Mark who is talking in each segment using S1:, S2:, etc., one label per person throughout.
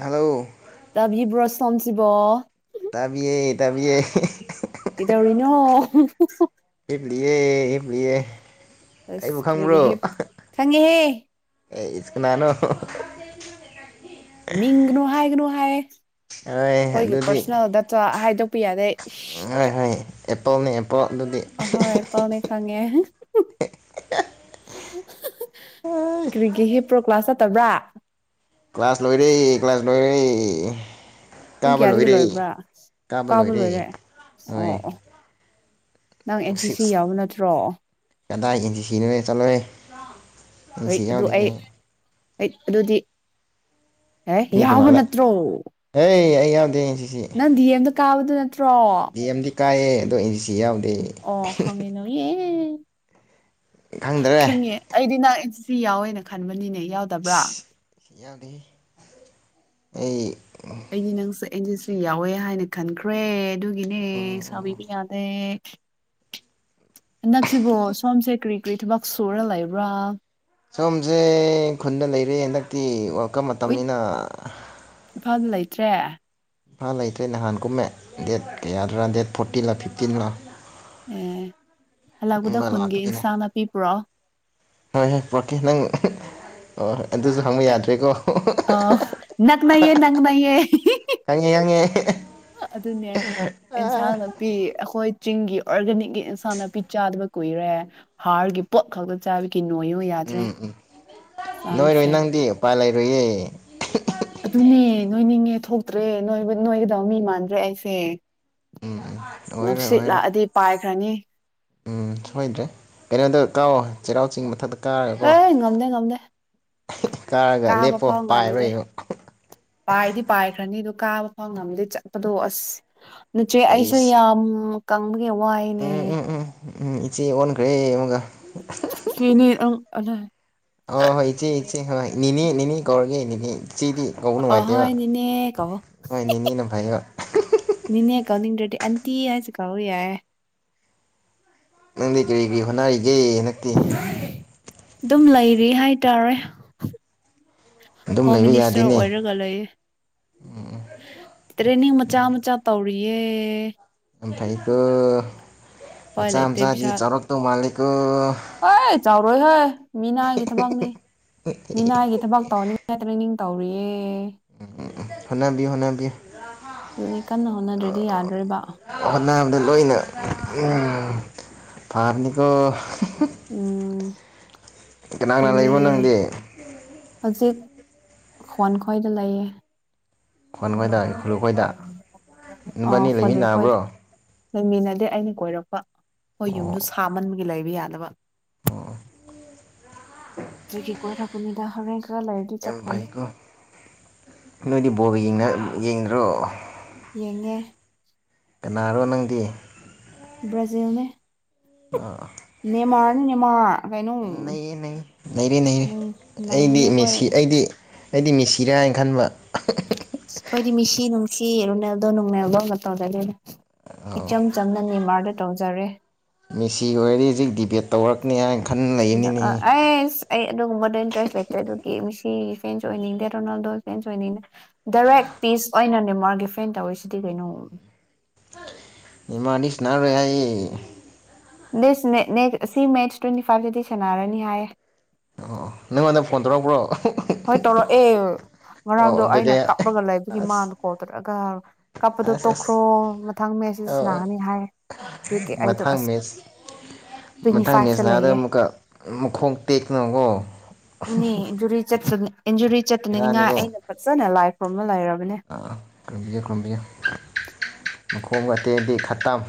S1: hello
S2: ꯇꯕꯤꯕ꯭ꯔꯁ ꯊꯝꯁꯤꯕꯣ
S1: ꯇꯥꯕꯤꯏ ꯇꯥꯕꯤꯏ
S2: ꯏꯗꯧꯔꯤꯅꯣ
S1: ꯌꯦ ꯏꯕꯌꯦ
S2: ꯑꯁ ꯀꯔꯤꯒꯤ ꯍꯦꯞ ꯈꯉꯦꯍꯦ
S1: ꯏꯁꯀꯅꯥꯅꯣ
S2: ꯃꯤꯡꯒꯅꯨ ꯍꯥꯏꯒꯅꯨ ꯌꯥꯔꯦ
S1: ꯍꯣꯏ
S2: ꯑꯩꯈꯣꯏꯒꯤ ꯄꯔꯁꯅꯦꯜꯗꯑꯇꯥ ꯍꯥꯏꯗꯣꯛ ꯄꯤ ꯌꯥꯗꯦ
S1: ꯎꯝ ꯍꯣꯏ ꯍꯣꯏ ꯑꯦꯄꯜ ꯅꯦ
S2: ꯑꯍꯣꯏ ꯄꯥꯎꯅꯦ ꯈꯪꯉꯦ ꯀꯔꯤꯒꯤ ꯍꯤꯞꯄ꯭ꯔꯣ ꯀ꯭ꯂꯥꯁ ꯆꯠꯇꯕ꯭ꯔꯥ
S1: ꯀ꯭ꯂꯥꯁ ꯂꯣꯏꯔꯦ ꯀ꯭ꯂꯥꯁ ꯂꯣꯏꯔꯦ
S2: ꯄꯨꯡ
S1: ꯀꯥꯕ
S2: ꯀꯌꯥꯗꯒꯤ
S1: ꯂꯣꯏꯔꯦ
S2: ꯂꯣꯏꯕ꯭ꯔꯥ ꯀꯥꯕ ꯂꯣꯏꯔꯦ ꯑꯣ
S1: ꯍꯣꯏ
S2: ꯑꯣ ꯅꯪ ꯑꯦꯟ ꯁꯤ ꯁꯤ
S1: ꯁꯤꯛꯁ
S2: ꯌꯥꯎꯕ ꯅꯠꯇ꯭ꯔꯣ
S1: ꯀꯗꯥꯏ ꯏꯟ ꯁꯤ ꯁꯤ ꯅꯣꯍꯦ ꯆꯠꯂꯣꯍꯦ [unintelligible]
S2: ꯍꯣꯏ
S1: ꯁꯤ ꯌꯥꯎ
S2: ꯑꯗꯨ
S1: ꯗꯦꯍꯦ
S2: ꯑꯩ [unintelligible] ꯑꯗꯨꯗꯤ ꯑꯦ ꯌꯥꯕ ꯅꯠꯇ꯭ꯔꯣ
S1: ꯌꯥꯗꯦ
S2: ꯅꯪ ꯗꯤꯌꯦꯝꯗ ꯀꯥꯎꯗ ꯇ꯭ꯔꯣ
S1: ꯗꯤ ꯑꯦꯝꯗꯤ ꯀꯥꯏꯌꯦ ꯑꯗꯣ ꯑꯦꯟ ꯁꯤ ꯁꯤ ꯌꯥꯎ
S2: ꯑꯣ ꯈꯉꯦꯅ [unintelligible] [unintelligible]
S1: ꯈꯪꯗ꯭ꯔꯦ
S2: ꯈꯪꯉꯦ ꯑꯩꯗꯤ ꯅ ꯁꯤ ꯌꯥꯎꯋꯦꯅ ꯈꯟꯕꯅꯤꯅꯦ ꯌꯥꯎꯗꯕ꯭ꯔꯥ
S1: ꯌꯥꯗꯦꯍꯦ ꯑꯩ
S2: ꯑꯩꯗꯤ ꯅꯪꯁꯦ ꯑꯩꯟꯁꯨ ꯌꯥꯎꯋꯦ ꯍꯥꯏꯅ ꯈꯟꯈ꯭ꯔꯦ ꯑꯗꯨꯏ [unintelligible] ꯅꯦ ꯁꯕꯤꯕ ꯌꯥꯗꯦ ꯍꯟꯗꯛꯁꯤꯕꯣ ꯁꯣꯝꯁꯦ ꯀ꯭ꯔꯤ ꯀꯔꯤ ꯊꯕꯛ ꯁꯨꯔꯒ ꯂꯩꯕ꯭ꯔꯥ
S1: ꯁꯣꯝꯁꯦ ꯈꯨꯟꯗ ꯂꯩꯔꯦ ꯍꯟꯗꯛꯇꯤ ꯀ ꯃꯇꯝꯅꯤꯅ
S2: ꯇ꯭ꯔꯦ
S1: ꯏꯝꯐꯥꯜ ꯂꯩꯇ꯭ꯔꯦ ꯅꯍꯥꯟ ꯀꯨꯝꯃꯦ ꯗꯦꯠ ꯀꯌꯥꯗ꯭ꯔꯥ ꯗꯦꯠ ꯐꯣꯔꯇꯤꯟꯂ ꯐꯤꯐꯇꯤꯟꯂꯣ
S2: ꯑꯦ ꯍꯜꯂꯛꯄꯗ ꯈꯨꯟꯒꯤ
S1: ꯂꯥꯛꯀꯅꯤꯅꯦ
S2: ꯏꯟꯁꯥꯡ ꯅꯥꯄꯤ ꯄꯨꯔꯛꯑꯣ
S1: ꯍꯣꯏ ꯍꯣꯏ ꯄꯣꯔꯛꯀꯦ ꯅꯪ ꯍꯣꯍꯣꯏ
S2: ꯑ ꯅꯛ ꯅꯩꯌꯦ ꯅꯛ ꯅꯩꯌꯦ
S1: ꯍꯪꯉꯦ ꯍꯉꯦ
S2: ꯑꯗꯨꯅꯦ ꯏꯟꯁꯥꯡ ꯅꯥꯄꯤ ꯑꯩꯈꯣꯏ ꯆꯤꯡꯒꯤ ꯑꯣꯔꯒꯥꯅꯤꯛꯀꯤ ꯏꯟꯁꯥꯡ ꯅꯥꯄꯤ ꯆꯥꯗꯕ ꯀꯨꯏꯔꯦ ꯍꯥꯔꯒꯤ ꯄꯣꯠ ꯈꯛꯇ ꯆꯥꯕꯤ
S1: ꯎꯝ ꯎꯝ ꯅꯣꯏꯔꯣꯏ
S2: ꯆꯥꯡꯁꯦ
S1: ꯅꯪꯗꯤ ꯎꯄꯥꯏ ꯂꯩ ꯇꯦ
S2: ꯑꯗꯨꯅꯦ ꯅꯣꯏ ꯅꯤꯡꯉꯦ ꯊꯣꯛꯇ꯭ꯔꯦꯣꯏ ꯅꯣꯏꯒꯗꯕ ꯃꯤ ꯃꯥꯟꯗ꯭ꯔꯦ ꯑꯩꯁꯦ
S1: ꯑꯣꯏꯔꯣꯏ
S2: ꯅꯨꯡꯁꯤꯠ
S1: ꯑꯣꯏꯔꯣꯏ
S2: ꯂꯥꯛꯑꯗꯤ ꯄꯥꯏꯈ꯭ꯔ ꯍꯥꯏꯅꯤ
S1: ꯎꯝ ꯁꯣꯏꯗ꯭ꯔꯦ ꯀꯩꯅꯣꯗ ꯀꯥꯎꯑꯣ ꯆꯩꯔꯥꯎ ꯆꯤꯡ ꯃꯊꯛꯇ ꯀꯥꯔꯒꯀꯣ
S2: ꯂꯩ ꯉꯝꯗꯦ ꯉꯝꯗꯦ
S1: ꯀꯥꯔꯒ
S2: ꯀꯥꯕ
S1: ꯂꯦꯞꯄꯣ
S2: ꯐꯥꯎ
S1: ꯄꯥꯏꯔꯣ
S2: ꯉꯝꯗꯦ
S1: ꯌꯦꯡꯉꯣ
S2: ꯄꯥꯏꯗꯤ ꯄꯥꯏꯈ꯭ꯔꯅꯤ ꯀꯥꯕ ꯐꯥꯎ ꯉꯝꯗꯦ ꯆꯠꯄꯗꯣ ꯑꯁ ꯅꯆꯦ ꯑꯩꯁꯦ
S1: ꯑꯩꯁ
S2: ꯌꯥꯝ ꯀꯪ ꯋꯥꯏꯅꯦ
S1: ꯎꯝ ꯎꯝ ꯎꯝ ꯎꯝ ꯏꯆꯦ ꯑꯣꯟꯈ꯭ꯔꯦ ꯑꯃꯒ
S2: ꯏꯆꯦꯅꯤ ꯑꯪ ꯑꯗ
S1: ꯑꯣ ꯍꯣꯏ ꯏꯆꯦ ꯏꯆꯦ ꯍꯅꯤꯅꯤ ꯀꯧꯔꯒꯤꯅꯤ ꯆꯦꯗꯤ ꯀꯧꯕ ꯅꯨꯡꯉꯥꯏꯇꯦꯕ
S2: ꯑꯍꯣꯏ ꯅꯦꯅꯦ ꯀꯧ
S1: ꯑꯩꯥꯏ ꯅꯦꯅ ꯐꯩꯌꯦꯕ
S2: ꯀꯧꯅꯤꯡ ꯗꯔꯥꯗꯤ ꯑꯥꯟꯇꯤ ꯍꯥꯏꯁꯨ ꯀꯧꯑꯣ ꯌꯥꯏ
S1: ꯅ ꯀꯔꯤ ꯍꯅꯔ ꯌꯦ ꯅꯛꯇꯤ
S2: ꯑꯗꯨꯝ ꯂꯩꯔꯤ ꯍꯥꯏꯇꯥꯔꯦ
S1: ꯑꯗꯨꯝ
S2: ꯍꯣꯝ
S1: ꯂꯩꯕ
S2: ꯃꯤꯅꯤꯁꯇꯔ
S1: ꯌꯥꯗꯦꯅꯦ
S2: ꯑꯣꯏꯔꯒ ꯂꯩꯌꯦ ꯇ꯭ꯔꯦꯅꯤꯡ ꯃꯆꯥ ꯃꯆꯥ ꯇꯧꯔ ꯄꯔꯤꯌꯦ
S1: ꯑꯐꯀꯣ
S2: ꯎꯄꯥꯏ
S1: ꯃꯆꯥ ꯑꯆꯥ ꯆꯔꯛ ꯇꯧ ꯃꯥꯔꯂ [unintelligible]
S2: ꯍ ꯆ ꯍꯣꯏ ꯍꯣꯏ ꯃꯤꯅꯥꯏꯒꯤ ꯊꯕꯛꯅꯤ ꯃꯤꯅꯥꯏꯒꯤ ꯊꯕꯛ ꯇꯧꯍꯅꯤꯡꯉꯥꯏ ꯇꯧꯔꯤꯛꯑꯦ
S1: ꯍꯣꯠꯅꯕꯤꯌꯨ ꯍꯣꯠꯅꯕꯤꯌꯨ
S2: ꯑꯗꯨꯗꯤ ꯀꯟꯅ ꯍꯣꯠꯅꯗ꯭ꯔꯗꯤ ꯌꯥꯗꯣꯔꯤꯕ
S1: ꯅꯕꯗꯨ ꯂꯣꯏꯅ ꯐꯔꯅꯤ ꯀꯣ
S2: ꯎꯝ
S1: ꯀꯅꯥꯅꯥ
S2: ꯑꯗꯨꯅꯦ
S1: ꯂꯩꯕꯣ ꯅꯪꯗꯤ
S2: ꯈ꯭ꯋꯥꯟ ꯈꯣꯏꯗ ꯂꯩꯌꯦ
S1: ꯈꯣꯟ ꯈꯣꯏꯗ ꯏꯈꯨꯜ ꯈꯣꯏꯗ
S2: ꯑ
S1: ꯅꯕꯥꯅꯤ
S2: ꯍꯣꯂꯨ ꯍꯣꯏꯗ
S1: ꯂꯩꯃꯤꯟꯅꯕ꯭ꯔꯣ
S2: ꯂꯩꯃꯤꯟꯅꯗꯦ ꯑꯩꯅ ꯀꯣꯏꯔꯛꯄ ꯍꯣꯏ ꯌꯨꯝꯗ
S1: ꯑꯣ
S2: ꯁꯥꯃꯟ ꯒꯤ ꯂꯩꯕ ꯌꯥꯗꯕ
S1: ꯑꯣ
S2: ꯑꯗꯨꯒꯤ ꯀꯣꯏꯔꯛꯄꯅꯤꯗ ꯍꯣꯔꯦꯟ ꯈꯔ ꯂꯩꯔꯗꯤ
S1: ꯌꯥꯝ ꯐꯩ
S2: ꯆꯠꯈ꯭ꯔꯅꯤ
S1: ꯀꯣ ꯅꯣꯏꯗꯤ ꯕꯣꯜꯒ ꯌꯦꯡꯅ ꯌꯦꯡꯗ꯭ꯔꯣ
S2: ꯌꯦꯡꯉꯦ
S1: ꯀꯅꯥꯔꯣ ꯅꯪꯗꯤ
S2: ꯕ꯭ꯔꯥꯖꯤꯜ ꯅꯦ
S1: ꯑ
S2: ꯅꯦꯃꯔ ꯅꯦ ꯅꯦꯃꯔ
S1: ꯅꯩꯔꯦ ꯅꯩ ꯅꯔꯦ ꯅꯩꯔꯦ
S2: ꯅꯩ
S1: ꯑꯩꯗꯤ
S2: ꯅꯩꯕꯅꯦ ꯑꯩꯈꯣꯏ
S1: ꯃꯦꯁꯤ ꯑꯩꯗꯤ ꯑꯩꯗꯤ ꯃꯤꯁꯤꯔ ꯈꯟꯕ
S2: ꯑꯩꯈꯣꯏꯗꯤ ꯃꯤꯁꯤ ꯅꯨꯡꯁꯤ ꯔꯣꯅꯥꯜꯗꯣ ꯅꯣꯡꯅꯥꯜꯗꯣ ꯇꯧꯖꯗꯦꯗ
S1: ꯑꯧ
S2: ꯏꯆꯝ ꯆꯟꯅ ꯅꯦꯃꯔꯗ ꯇꯧꯖꯔꯦ
S1: ꯃꯤꯁꯤ ꯑꯣꯏꯔꯤ ꯍꯧꯖꯤꯛ ꯗꯤꯕꯦꯠ ꯇꯧꯔꯛꯅꯤ ꯍꯥꯏ
S2: ꯑꯗ ꯑꯩꯁ ꯑꯩ ꯑꯗꯨꯒꯨꯝꯕꯗ ꯏꯟꯇꯔꯦꯁ ꯂꯩꯇꯦ ꯑꯗꯨ ꯃꯤꯁꯤꯒꯤ ꯐ꯭ꯔꯦꯟꯁ ꯑꯣꯏꯅꯤꯡꯗꯦ ꯔꯣꯅꯥꯜꯗꯣ ꯐ꯭ꯔꯦꯟꯁ ꯑꯣꯏꯅꯤꯡꯗꯦ ꯗꯥꯏꯔꯦꯛ ꯄꯤꯁ ꯑꯣꯏꯅ ꯅꯦꯟꯃꯥꯔꯛꯒꯤ ꯐ꯭ꯔꯦꯟꯁ ꯇꯧꯔꯤꯁꯤꯗꯤ ꯀꯩꯅꯣ
S1: ꯅꯦꯃꯔꯗꯤ ꯁꯥꯅꯔꯔꯣꯏ ꯍꯥꯏꯌꯦ ꯌꯦ
S2: ꯁꯤ ꯃꯦꯠꯁ ꯇ꯭ꯋꯦꯟꯇꯤ ꯐꯥꯏꯚꯁꯤꯗꯤ ꯁꯥꯟꯅꯔꯅꯤ ꯍꯥꯏ
S1: ꯑꯣ ꯅꯉꯣꯟꯗ ꯐꯣꯟ ꯇꯧꯔꯛ ꯄ꯭ꯔꯣ
S2: ꯍꯣꯏ ꯇꯧꯔꯛꯑꯦ ꯉꯔꯥꯡꯗꯣ
S1: ꯑꯣ
S2: ꯑꯩꯅ
S1: ꯀꯩꯀꯩ
S2: ꯀꯥꯞꯂꯒ ꯂꯩꯕꯒꯤ
S1: ꯑꯁ
S2: ꯃꯥꯡꯗꯣ ꯀꯣꯜ ꯇꯧꯔꯛꯑꯒ ꯀꯥꯞꯄꯗꯣ
S1: ꯑꯁ
S2: ꯇꯣꯛꯈ꯭ꯔꯣ
S1: ꯑꯁ
S2: ꯃꯊꯪ ꯃꯦ ꯁꯤꯁ
S1: ꯑꯥ
S2: ꯅꯥꯑꯅꯤ ꯍꯥꯏ ꯑꯗꯨꯒꯤ ꯑꯩꯗꯣ
S1: ꯃꯊꯪ
S2: ꯑꯁ
S1: ꯃꯦꯠꯁ
S2: ꯇ꯭ꯋꯦꯟꯇꯤ
S1: ꯃꯊꯪ
S2: ꯐꯥꯏꯚꯇ ꯂꯩꯌꯦꯦ
S1: ꯀꯣ
S2: [unintelligible] ꯏꯟꯖꯨꯔꯤ ꯆꯠꯇꯅꯤꯡꯉꯥꯏ ꯑꯩꯅ ꯐꯖꯅ ꯂꯥꯏꯐ ꯀꯃꯜ ꯂꯥꯏꯔꯝ
S1: ꯑꯥ ꯈꯨꯔꯨꯝꯕꯤꯒꯦ ꯈꯨꯔꯨꯝꯕꯤꯒꯦ ꯃꯈꯣꯡ ꯑꯇꯦꯟꯗꯤ ꯈꯇꯝ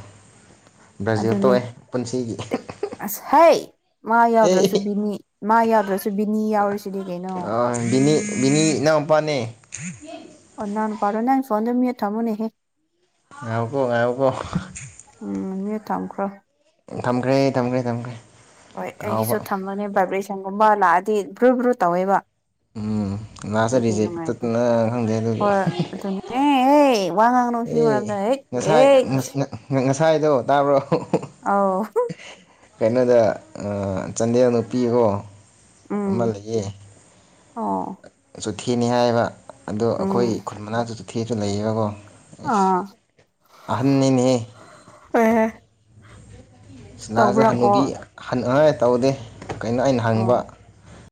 S1: ꯕ꯭ꯔꯥꯖꯤꯜ
S2: ꯑꯗꯨꯅꯦ
S1: ꯇꯣꯛꯑꯦ ꯄꯨꯟꯁꯤꯒꯤ
S2: ꯑꯁ ꯍꯩ ꯃꯥ ꯌꯥꯎꯗ꯭ꯔꯁꯨ
S1: ꯑꯦ
S2: ꯕꯤꯅꯤ ꯃꯥ ꯌꯥꯗ꯭ꯔꯁꯨ ꯕꯤꯅꯤ ꯌꯥꯎꯔꯤꯁꯤꯗꯝ ꯀꯩꯅꯣ
S1: ꯑ ꯕꯤꯅꯤ ꯕꯤꯅꯤ ꯏꯅꯥꯎ ꯄꯥꯅꯦ
S2: ꯑꯣ ꯅꯅꯥꯎ ꯄꯥꯔꯣ ꯅꯪ ꯐꯣꯟꯗꯨ ꯃꯨꯠ ꯊꯃꯨꯅꯦꯍꯦ
S1: ꯉꯥꯏꯌꯨꯀꯣ ꯉꯥꯏꯌꯨꯀꯣ
S2: ꯎꯝ ꯃꯤꯌꯨꯠ ꯊꯝꯈ꯭ꯔꯣ
S1: ꯊꯝꯈ꯭ꯔꯦ ꯊꯝꯈ꯭ꯔꯦ ꯊꯝꯈ꯭ꯔꯦ
S2: ꯍꯣꯏ
S1: ꯀꯥꯎꯕ
S2: ꯑꯩꯒꯤꯁꯨ ꯊꯝꯕꯅꯦ ꯕꯥꯕ꯭ꯔꯦ ꯁꯟꯒꯨꯝ ꯑꯃ ꯂꯥꯛꯑꯗꯤ ꯕ꯭ꯔꯨ ꯕ꯭ꯔꯨ ꯇꯧꯋꯦꯕ
S1: ꯎꯝ ꯂꯥꯏꯁꯇ
S2: ꯑꯗꯨꯒꯤ
S1: ꯔꯤꯖꯦꯛ
S2: ꯅꯨꯡꯉꯥꯏꯇꯦ
S1: ꯆꯠꯇꯅ ꯈꯪꯗꯦ ꯑꯗꯨꯁꯨ
S2: ꯍꯣꯏ ꯑꯗꯨꯅꯦ ꯍꯦ ꯋꯥ ꯉꯥꯡꯅꯨ ꯁꯤ
S1: ꯑꯦ
S2: ꯃꯔꯝꯗ ꯍꯦꯛ
S1: ꯉꯁꯥꯏ
S2: ꯍꯦꯛ
S1: ꯁꯋꯥꯥꯏꯗꯣ ꯇꯥꯕ꯭ꯔꯣ
S2: ꯑꯥꯎ
S1: ꯀꯩꯅꯣꯗ ꯆꯥꯟꯗꯦꯜ ꯅꯨꯄꯤꯀꯣ
S2: ꯎꯝ
S1: ꯑꯃ ꯂꯩꯌꯦ
S2: ꯑꯣ
S1: ꯆꯨꯊꯤꯅꯤ ꯍꯥꯏꯌꯦꯕ ꯑꯗꯣ ꯑꯩꯈꯣꯏ
S2: ꯎꯝ
S1: ꯈꯨꯜ ꯃꯅꯥꯛꯇꯨꯗ ꯊꯤꯁꯨ ꯂꯩꯌꯦꯕꯀꯣ
S2: ꯑꯥ
S1: ꯑꯍꯟꯅꯤꯅꯦ
S2: ꯑꯦ
S1: ꯁꯅꯁꯥ
S2: ꯇꯧꯕ꯭ꯔꯥ ꯀꯣ
S1: ꯍꯅꯨꯕꯤ ꯍ [unintelligible] [unintelligible] ꯇꯧꯗꯦ ꯀꯩꯅꯣ ꯑꯩꯅ ꯍꯪꯕ
S2: ꯑꯣ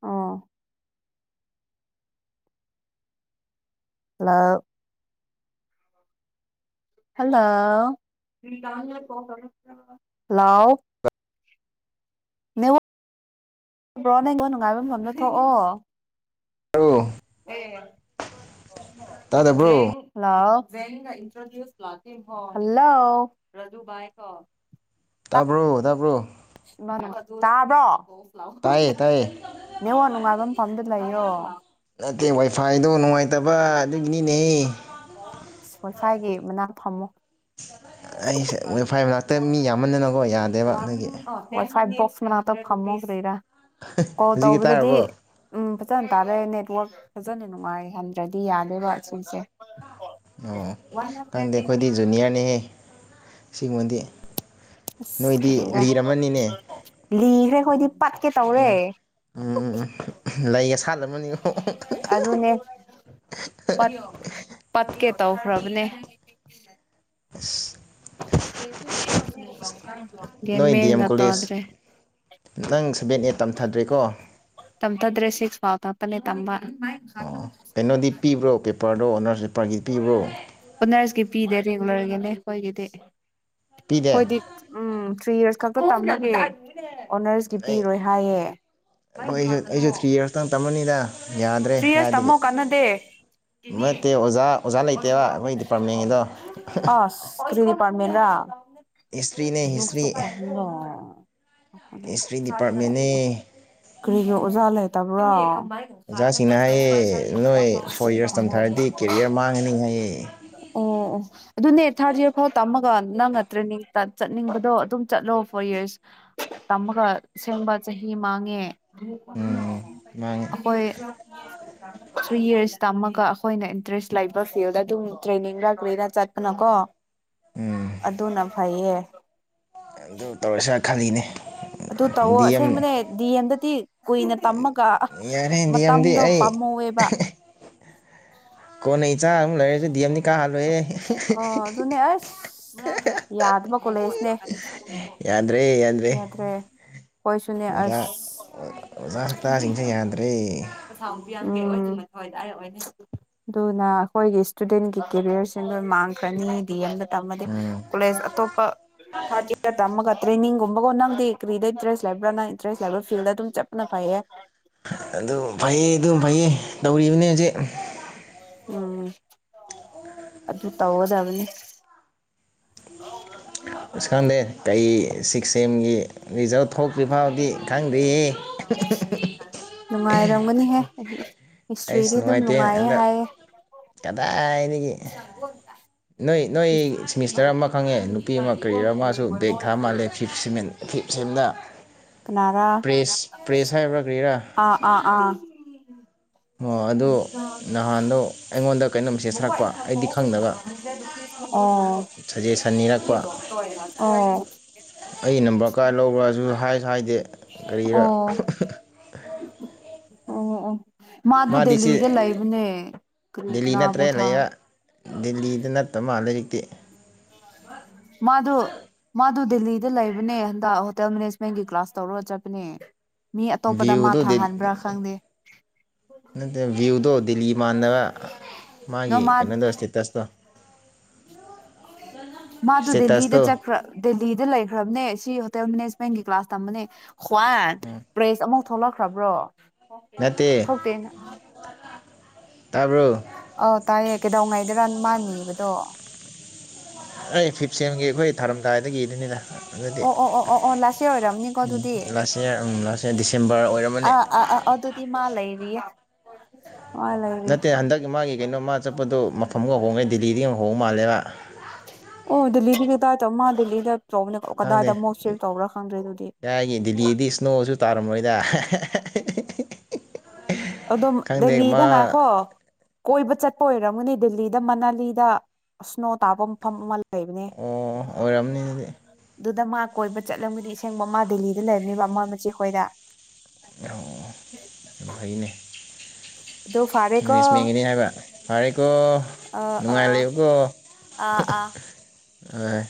S2: ꯑꯣ hello hello hello network network ꯅꯨꯡꯉꯥꯏꯕ ꯃꯐꯝꯗ ꯊꯣꯛꯑꯣ ꯑꯦ
S1: ꯇꯥꯗꯕ꯭ꯔꯣ
S2: ꯍꯜꯂꯣ ꯍꯜꯂꯣ
S1: ꯇꯥꯕ꯭ꯔꯣ ꯇꯥꯕ꯭ꯔꯣ
S2: ꯇꯥꯕ꯭ꯔꯣ
S1: ꯇꯥꯏꯌꯦ ꯇꯥꯏꯌꯦ
S2: ꯅꯦꯠꯋꯥꯛ ꯅꯨꯡꯉꯥꯏꯕ ꯃꯐꯝꯗ ꯂꯩꯌꯣ
S1: ꯅꯠꯇꯦ ꯋꯥꯏꯐꯥꯏꯗꯣ ꯅꯨꯡꯉꯥꯏꯇꯕ ꯑꯗꯨꯒꯤꯅꯤꯅꯦ
S2: ꯑꯁ ꯋꯥꯏꯐꯥꯏꯒꯤ ꯃꯅꯥꯛ ꯐꯝꯃꯨ
S1: ꯑꯩꯁꯦ ꯋꯦꯐꯥꯏ ꯃꯅꯥꯛꯇ ꯃꯤ ꯌꯥꯝꯃꯟꯗꯅꯀꯣ ꯌꯥꯗꯦꯕ ꯑꯗꯨꯒꯤ
S2: ꯐꯥꯏꯕꯣꯁ ꯃꯅꯥꯛꯇ ꯐꯝꯃꯨ ꯀꯣꯂ
S1: ꯍꯧꯖꯤꯛꯀꯤ
S2: ꯇꯧꯕꯗꯗꯤ
S1: ꯇꯥꯔꯕꯣ
S2: ꯎꯝ ꯐꯖꯅ ꯇꯥꯔꯦ ꯅꯦꯠꯋꯥꯛ ꯐꯖꯅ ꯅꯨꯡꯉꯥꯏ ꯍꯟꯗ꯭ꯔꯗꯤ ꯌꯥꯗꯦꯕ ꯁꯤꯁꯦ
S1: ꯑꯣ ꯈꯪꯗꯦ ꯑꯩꯈꯣꯏꯗꯤ ꯖꯨꯅꯤꯌꯔ ꯑ ꯁꯤꯒꯤꯃꯗꯤ
S2: ꯑꯁ ꯂꯤꯈ꯭ꯔꯦ ꯑꯩꯈꯣꯏꯗꯤ ꯄꯠꯀꯦ ꯇꯧꯔꯦ
S1: ꯎꯝ ꯎꯝ ꯎꯝ ꯎꯝ ꯂꯩꯒ ꯁꯥꯠꯂꯝꯃꯅꯤꯀꯣ
S2: ꯑꯗꯨꯅꯦꯠꯀꯦ ꯇꯧꯈ꯭ꯔꯕꯅꯦ
S1: ꯑꯁ
S2: [unintelligible]
S1: ꯅꯣꯏ
S2: ꯃꯟ
S1: ꯗꯤ ꯑꯦꯝ ꯀꯣꯂꯦꯖ
S2: ꯉꯠꯇꯣ꯭ꯔꯦ
S1: ꯅꯪ ꯁꯕꯦꯟ ꯑꯩꯠ ꯇꯝꯊꯗ꯭ꯔꯦꯀꯣ
S2: ꯇꯝꯇꯗ꯭ꯔꯦ ꯁꯤꯁ ꯐꯥꯎ ꯇꯂꯦ ꯇꯝꯕ
S1: ꯑꯣ ꯀꯩꯅꯣꯗꯤꯞ ꯄꯤꯕ꯭ꯔꯣ ꯑꯣꯀꯦ ꯄꯤꯄꯔꯗꯣ ꯑꯣꯅꯔꯁꯤ ꯄꯔꯒꯤ ꯄꯤꯕ꯭ꯔꯣ
S2: ꯑꯣꯅꯔꯁꯀꯤ ꯄꯤꯗꯦ ꯔꯤꯒꯨꯂꯔꯒꯤꯅꯦ ꯑꯩꯈꯣꯏꯒꯤꯗꯤ
S1: ꯄꯤꯗꯦ
S2: ꯍꯈꯣꯏꯗꯤ ꯎꯝ ꯊ꯭ꯔꯤ ꯏꯔꯁ [unintelligible] ꯑꯣꯅꯔꯁꯀꯤ
S1: ꯑꯩ
S2: ꯄꯤꯔꯣꯏ ꯍꯥꯏꯌꯦꯥꯗꯅꯣ
S1: ꯌꯥ
S2: ꯁꯔꯤꯁ ꯇꯃꯣ ꯀꯟꯅꯗꯦ
S1: ꯅꯠꯇꯦ ꯑꯣꯖꯥ ꯑꯣꯖꯥ ꯂꯩꯇꯦꯕ ꯑꯩꯈꯣꯏ ꯗꯤꯄꯥꯔꯠꯃꯦꯟꯒꯤꯗꯣ
S2: ꯑ ꯁꯔꯤ ꯄꯝꯃꯦꯅ
S1: ꯍꯤꯁꯇ꯭ꯔꯤꯅꯦ ꯍꯤꯁꯇ꯭ꯔꯤ ꯍꯤꯁꯇ꯭ꯔꯤ ꯗꯤꯄꯥꯔꯠꯃꯦꯟꯅꯦ
S2: ꯀꯔꯤꯒꯤ ꯑꯣꯖꯥ ꯂꯩꯇꯕ꯭ꯔꯣ
S1: ꯑꯣꯖꯥꯁꯤꯡꯅ ꯍꯥꯏꯌꯦ ꯑꯪꯅꯤ ꯍꯥꯏꯌꯦ
S2: ꯑꯗꯨꯅꯦ ꯊꯥꯔꯗ ꯏꯔ ꯐꯥꯎ ꯇꯝꯃꯒ ꯅꯪꯅ ꯇ꯭ꯔꯦꯅꯤꯡ ꯆꯠꯅꯤꯡꯕꯗꯣ ꯑꯗꯨꯝ ꯆꯠꯂꯣ ꯐꯣꯔ ꯏꯔꯁ ꯇꯝꯃꯒ ꯁꯦꯡꯕ ꯆꯍꯤ ꯃꯥꯡꯉꯦ
S1: ꯎꯝ ꯃꯥꯡꯉꯦ
S2: ꯑꯩꯈꯣꯏ ꯊ꯭ꯔꯤ ꯏꯔꯁ ꯇꯝꯃꯒ ꯑꯩꯈꯣꯏꯅ ꯏꯟꯇꯔꯦꯁ ꯕ ꯐꯤꯗ ꯑꯗꯨꯝ ꯇ꯭ꯔꯦꯅꯤꯡꯒꯅ ꯆꯠꯄꯅꯀꯣ ꯑꯗꯨꯅ ꯐꯩꯌꯦ
S1: ꯑꯗꯨ ꯇꯧꯔꯁꯤꯔ ꯈꯜꯂꯤꯅꯦ
S2: ꯑꯗꯨ ꯇꯧꯋ
S1: ꯗꯤ ꯑꯦꯝ
S2: ꯑꯁꯦꯡꯕꯅꯦ ꯗꯤ ꯑꯦꯝꯗꯗꯤ ꯀꯨꯏꯅ ꯇꯝꯃꯒ
S1: ꯌꯥꯔꯦ ꯗꯤ ꯑꯦꯝꯗꯤ
S2: ꯃꯇꯝꯗꯣ
S1: ꯑꯩ
S2: ꯄꯥꯝꯍꯧꯋꯦꯕ
S1: ꯀꯣꯟꯅꯩ ꯏꯆꯥ ꯑꯃꯨꯛ ꯂꯩꯔꯁꯨꯦ ꯗꯤ ꯑꯦꯝꯅꯤ ꯀꯥꯍꯜꯂꯨꯍꯦ
S2: ꯑꯣ ꯑꯗꯨꯅꯦ ꯌꯥꯗꯕ ꯀꯂꯩꯁꯅꯦ
S1: ꯌꯥ ꯗ꯭ꯔꯦ ꯌꯥꯗ꯭ꯔꯦ
S2: ꯍꯣꯏꯁꯨꯅꯦ
S1: ꯑꯣꯖꯥ
S2: ꯑꯁ
S1: ꯑꯣꯖꯥ ꯁꯛꯇꯥꯁꯤꯡꯁꯦ ꯌꯥꯗ꯭ꯔꯦ
S2: ꯑꯗꯨꯅ ꯑꯩꯈꯣꯏꯒꯤ ꯁ꯭ꯇꯨꯗꯦꯟꯒꯤ ꯀꯦꯔꯤꯌꯔꯁꯦ ꯂꯣꯢ ꯃꯥꯡꯈ꯭ꯔꯅꯤ ꯗꯤ ꯑꯦꯝꯗ ꯇꯝꯃ
S1: ꯎꯝ
S2: ꯀꯣꯂꯦꯁ ꯑꯇꯣꯞꯄ ꯊꯥꯖꯒ ꯇꯝꯃꯒ ꯇ꯭ꯔꯦꯅꯤꯡꯒꯨꯝꯕꯒꯣ ꯅꯪꯦ ꯀꯔꯤꯗ ꯏꯟꯇꯔꯦꯁ ꯂꯩꯕ꯭ꯔꯅꯟꯇꯔꯦꯁ ꯂꯩꯕ꯭ꯔ ꯐꯜꯗ ꯑꯗꯨꯝ ꯆꯠꯄ ꯅ ꯐꯩꯌꯦ
S1: ꯑꯗꯨ ꯐꯩꯌꯦ ꯑꯗꯨꯝ ꯐꯩꯌꯦ ꯇꯧꯔꯤꯕꯅꯤ ꯍꯧꯖꯤꯛ
S2: ꯎꯝ ꯑꯗꯨ ꯇ ꯑꯣꯗꯕꯅꯤ
S1: ꯑꯁ ꯈꯪꯗꯦ ꯀꯩ ꯁꯤꯛꯁ ꯑꯦꯝꯒꯤ ꯔꯤꯖꯜꯠ
S2: ꯅꯨꯡꯉꯥꯏꯔꯝꯒꯅꯤꯍꯦ
S1: ꯑꯩꯁ
S2: ꯍꯤꯁꯇ꯭ꯔꯤꯗꯤ ꯑꯗꯨꯝ
S1: ꯅꯨꯡꯉꯥꯏꯇꯦ
S2: ꯅꯨꯡꯉꯥꯏꯌꯦ
S1: ꯑꯗ
S2: ꯍꯥꯏꯌꯦ
S1: ꯀꯗꯥꯏꯗꯩꯩ
S2: [inaudible]
S1: ꯅꯣꯏ ꯁꯦꯃꯤꯁꯇꯔ ꯑꯃ ꯈꯪꯉꯦ ꯅꯨꯄꯤ ꯑꯃ ꯀꯔꯤꯔꯥ ꯑꯃꯁꯨ ꯕꯦꯛ ꯊꯥ ꯃꯥꯜꯂꯦ ꯐꯤꯞ ꯁꯦ ꯐꯤꯞ ꯁꯦꯝꯗ
S2: ꯀꯅꯥꯔꯥ
S1: ꯄ꯭ꯔꯦꯁ ꯄ꯭ꯔꯦꯁ ꯍ ꯀꯔꯤ
S2: ꯑꯥ ꯑꯥ ꯑꯥ
S1: ꯑꯣ ꯑꯗꯣ ꯅꯍꯥꯟꯗꯣ ꯑꯩꯉꯣꯟꯗ ꯀꯩꯅꯣ ꯃꯦꯁꯦꯖ
S2: ꯃꯣ
S1: ꯊꯥꯔꯛꯄ ꯑꯩꯗꯤ ꯈꯪꯗꯕ ꯁꯖꯦꯁꯟ ꯅꯤꯔꯛꯄ ꯑꯩ ꯅꯝꯕꯔ ꯀꯥꯏ ꯂꯧꯕ꯭ꯔꯥꯁꯨ ꯍꯥꯏꯁꯨ ꯍꯥꯏꯗꯦ ꯀꯔꯤꯔꯥ
S2: ꯑꯣ ꯑꯣ ꯃꯥ ꯑꯗꯨ
S1: ꯃꯥꯗꯤ ꯁꯤ
S2: ꯗꯜꯂꯤꯗ ꯂꯩꯕꯅꯦ ꯀꯔꯤ ꯀꯅꯥ ꯄꯣ ꯊꯥ
S1: ꯗꯦꯂꯤꯗ ꯅꯠꯇ ꯃꯥꯜꯂꯦ ꯇꯦ
S2: ꯃꯥꯗꯨꯨ ꯃꯥꯗꯨ ꯗꯦꯂꯤꯗ ꯂꯩꯕꯅꯦ ꯍꯟꯗꯛ ꯍꯣꯇꯦꯜ ꯃꯦꯅꯦꯖꯃꯦꯟꯒꯤ ꯀ꯭ꯂꯥꯁ ꯇꯧꯔꯒ ꯆꯠꯄꯅꯦ ꯃꯤ ꯑꯇꯣꯞꯄꯗ ꯃꯥ
S1: ꯚ꯭ꯌꯨꯗꯣ
S2: ꯊꯥꯍꯟꯕ꯭ꯔꯥ ꯈꯪꯗꯦ
S1: ꯅꯠꯇꯦ ꯚ꯭ꯌꯨꯗꯣ ꯗꯤꯜꯂꯤ ꯃꯥꯟꯅꯕ
S2: ꯅꯣ
S1: ꯃꯥꯒꯤ
S2: ꯃꯥ
S1: ꯀꯩꯅꯣꯗꯣ ꯏꯁꯇꯦꯇꯁꯇꯣ
S2: ꯃꯥꯗꯨ ꯗꯦꯜꯂꯤꯗ
S1: ꯏꯁꯇꯦꯇꯁꯇꯣ
S2: ꯆꯠꯈ꯭ꯔ ꯗꯦꯜꯂꯤꯗ ꯂꯩꯈ꯭ꯔꯕꯅꯦ ꯁꯤ ꯍꯣꯇꯦꯜ ꯃꯦꯅꯦꯖꯃꯦꯟꯒꯤ ꯀ꯭ꯂꯥꯁ ꯇꯝꯕꯅꯦ ꯍ꯭ꯋꯥꯟ
S1: ꯎꯝ
S2: ꯄ꯭ꯔꯦꯁ ꯑꯃꯛ ꯊꯣꯛꯂꯛꯈ꯭ꯔꯕ꯭ꯔꯣ
S1: ꯅꯠꯇꯦ
S2: ꯊꯣꯛꯇꯦꯅ
S1: ꯇꯥꯕ꯭ꯔꯣ
S2: ꯑ ꯇꯥꯏꯌꯦ ꯀꯩꯗꯉꯩꯗꯔ ꯃꯥ ꯅꯤꯕꯗꯣ
S1: ꯑꯩ ꯐꯤꯞꯁꯦꯝꯒꯤ ꯑꯩꯈꯣꯏ ꯊꯥꯔꯝꯗꯥꯏꯗꯗꯒꯤꯗꯅꯤꯅ
S2: ꯑꯣ ꯑꯣ ꯑꯣ ꯑꯣ ꯑꯣ ꯂꯥꯥꯁ ꯑꯣꯏꯔꯝꯅꯤꯀꯣ ꯑꯗꯨꯗꯤ
S1: ꯂꯥꯁ ꯏꯌꯥꯔ ꯎꯝ ꯂꯥꯁ ꯏꯌꯥꯔ ꯗꯤꯁꯦꯝꯕꯔ ꯑꯣꯏꯔꯝꯃꯅꯤ
S2: ꯑꯥ ꯑꯥ ꯑꯥ ꯑꯗꯨꯗꯤ ꯃꯥ ꯂꯩꯔꯤꯌꯦ ꯃꯥ ꯂꯩꯔꯤ
S1: ꯅꯠꯇꯦ ꯍꯟꯗꯛ ꯃꯥꯒꯤ ꯀꯩꯅꯣ ꯃꯥ ꯆꯠꯄꯗꯣ ꯃꯐꯝꯒ ꯍꯣꯡꯉꯦ ꯗꯤꯜꯂꯤꯗꯒꯤ ꯍꯣꯡꯉ ꯃꯥ ꯃꯥꯂꯦꯝꯂꯕ
S2: ꯑꯣ ꯗꯜꯂꯤ ꯀꯗ ꯆꯧꯃ ꯗꯜꯂꯤꯗ
S1: ꯈꯪꯗꯦ
S2: ꯑꯗꯨꯗꯤ
S1: ꯌꯥꯒꯤ ꯗꯗꯤꯜꯂꯤꯗꯤ ꯏꯁꯅꯣꯁꯨ ꯇꯥꯔꯝꯃꯣꯏꯗ
S2: ꯑꯗꯨꯝ
S1: ꯈꯪꯗꯦ
S2: ꯗꯦꯜꯂꯤꯗ
S1: ꯃꯥ
S2: ꯉꯥꯏꯈꯣ ꯀꯣꯏꯕ ꯆꯠꯄ ꯑꯣꯏꯔꯝꯒꯅꯤ ꯦꯜꯂꯤꯗ ꯃꯅꯥꯂꯤꯗ ꯁꯅꯣ ꯇꯥꯕ ꯃꯐꯝ ꯑꯃ ꯂꯩꯕꯅꯦ
S1: ꯑꯣ ꯑꯣꯏꯔꯝꯅꯤ ꯑꯗꯨꯗꯤ
S2: ꯑꯗꯨꯗ ꯃꯥ ꯀꯣꯏꯕ ꯆꯠꯂꯝꯒꯗꯤ ꯑꯁꯦꯡꯕ ꯑꯃ ꯗꯦꯜꯂꯤꯗ ꯂꯩꯔꯝꯅꯦꯕ ꯑꯃ ꯃꯆꯦꯈꯣꯏꯗ
S1: ꯑꯣ ꯑꯗꯨ ꯐꯩꯅꯦ
S2: ꯑꯗꯨ ꯐꯔꯦꯀꯣ
S1: ꯃꯅꯦꯁ ꯃꯦꯟꯒꯤꯅꯤ ꯍꯥꯏꯕ ꯐꯔꯦꯀꯣ
S2: ꯑꯥ
S1: ꯅꯨꯡꯉꯥꯏ
S2: ꯑꯥ
S1: ꯂꯩꯕꯀꯣ
S2: ꯑꯥ ꯑꯥ
S1: ꯑ